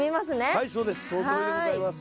はいそうです。